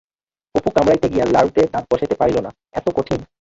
অপু কামড়াইতে গিয়া লাড়ুতে দাঁত বসাইতে পারিল না, এত কঠিন।